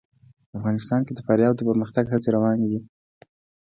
افغانستان کې د فاریاب د پرمختګ هڅې روانې دي.